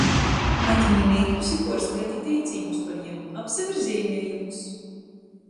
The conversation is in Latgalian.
Atmini meiklis i puorskaiti teicīņus par jim, apsaver zeimiejumus!